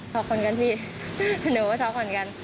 ชอบคนกันพี่หนูชอบคนกัน